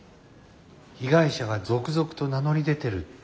被害者が続々と名乗り出てるって。